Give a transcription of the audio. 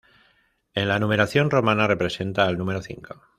En la numeración romana representa al número cinco.